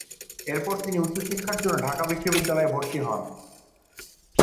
এরপর তিনি উচ্চ শিক্ষার জন্য ঢাকা বিশ্ববিদ্যালয়ে ভর্তি হন।